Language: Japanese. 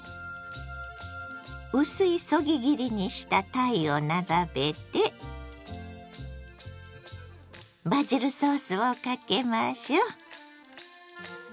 薄いそぎ切りにしたたいを並べてバジルソースをかけましょう！